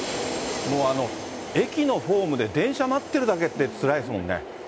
もう駅のホームで電車待ってるだけでもつらいですもんね。